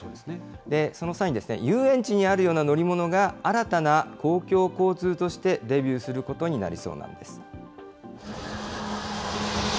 その際に、遊園地にあるような乗り物が、新たな公共交通としてデビューすることになりそうなんです。